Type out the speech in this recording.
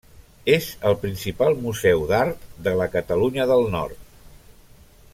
És el principal museu d'art de la Catalunya del Nord.